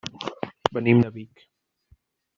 Venim de Vic.